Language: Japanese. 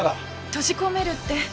閉じ込めるって。